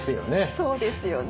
そうですよね。